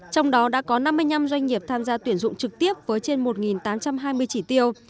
trong đó đã có năm mươi năm doanh nghiệp tham gia tuyển dụng trực tiếp với trên một tám trăm hai mươi chỉ tiêu